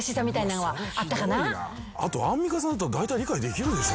あとアンミカさんだったらだいたい理解できるでしょ。